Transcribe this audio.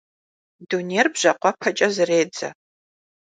Дунейр бжьакъуэпэкӀэ зэредзэ.